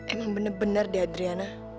emang bener bener deh adriana